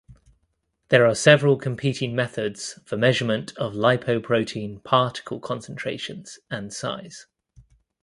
There are several competing methods for measurement of lipoprotein particle concentrations and size.